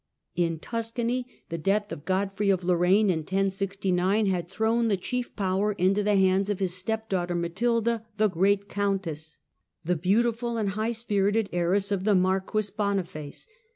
In Tuscany, the death of Godfrey of Lorraine in 1 069 The had thrown the chief power into the hands of his step Matilda of daughter Matilda, the "Great Countess," the beautiful and Tuscany high spirited heiress of the Marquis Boniface (see p.